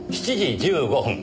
７時１５分